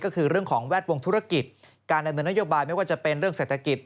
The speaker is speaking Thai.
ก็คือเรื่องของแวดวงธุรกิจการดำเนินนโยบายไม่ว่าจะเป็นเรื่องเศรษฐกิจ